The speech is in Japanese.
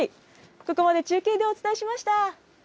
ここまで中継でお伝えしました。